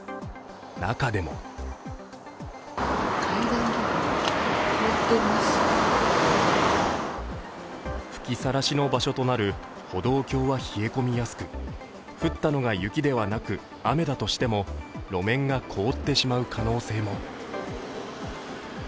中でも吹きさらしの場所となる歩道橋は冷え込みやすく降ったのが雪ではなく雨だとしても、路面が凍ってしまう可能性も。